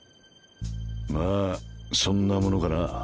まぁそんなものかな。